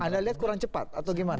anda lihat kurang cepat atau gimana